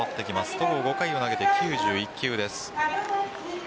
戸郷、５回を投げて９１球です。